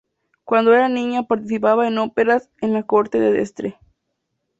Cuando era niña, participaba en óperas en la corte de Dresde.